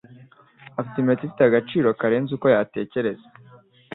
Afite impeta ifite agaciro karenze uko yatekereza.